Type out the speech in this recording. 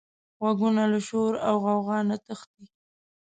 غوږونه له شور او غوغا نه تښتي